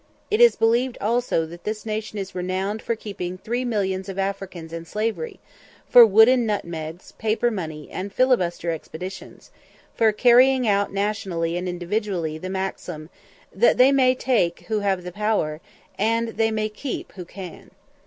It is believed also that this nation is renowned for keeping three millions of Africans in slavery for wooden nutmegs, paper money, and "fillibuster" expeditions for carrying out nationally and individually the maxim "That they may take who have the power, And they may keep who can."